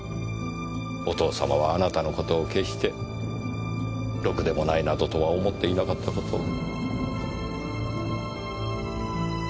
お父様はあなたの事を決してろくでもないなどとは思っていなかった事を。